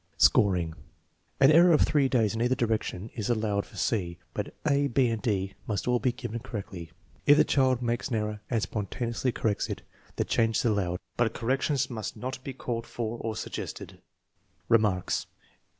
Scoring. An error of three days in either direction is al lowed for c, but a, 6, and d must all be given correctly. If the child makes an error and spontaneously corrects it, the change is allowed, but corrections must not be called for or suggested. Remarks.